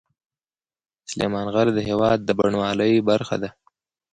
سلیمان غر د هېواد د بڼوالۍ برخه ده.